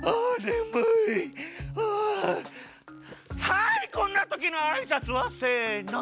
はいこんなときのあいさつは？せの！